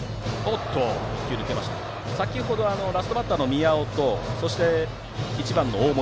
先程はラストバッターの宮尾と１番の大森